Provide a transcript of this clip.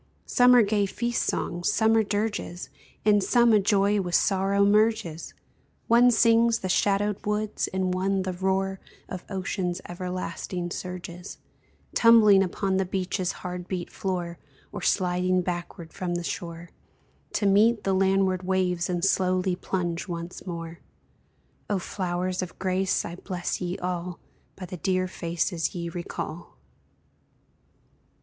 Some are gay feast songs, some are dirges, In some a joy with sorrow merges; One sings the shadowed woods, and one the roar Of ocean's everlasting surges, Tumbling upon the beach's hard beat floor, Or sliding backward from the shore To meet the landward waves and slowly plunge once more. O flowers of grace, I bless ye all By the dear faces ye recall!